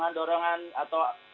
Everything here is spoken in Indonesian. zainy yang stari